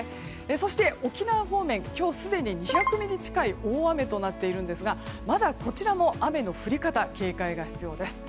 そして沖縄方面今日すでに２００ミリ近い大雨となっているんですがまだこちらも雨の降り方警戒が必要です。